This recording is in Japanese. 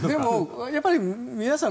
やっぱり皆さん